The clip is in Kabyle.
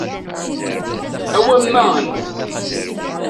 Awamma en!